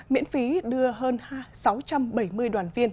miễn phí đưa hơn sáu trăm bảy mươi đoàn viên